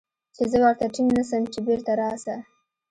چې زه ورته ټينګ نه سم چې بېرته راسه.